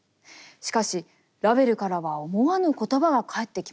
しかしラヴェルからは思わぬ言葉が返ってきます。